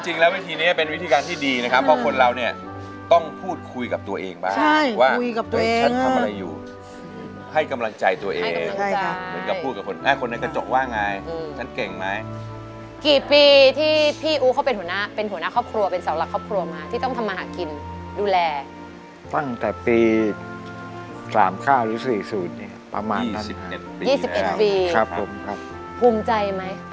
หนูรู้ว่าคำนี้มาจากไหนหนูพอจะเดาออกช่วงที่ทดท้อทรมานใช่มั้ย